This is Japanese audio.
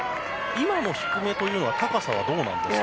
今の低めというのは高さはどうですか？